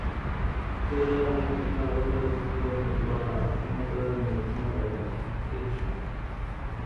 که دغه نکاح وتړل سوه، نو دواړه اړخونه به نيکمرغه ياست ان شاء الله.